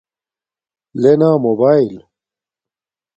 لےنا موباݵل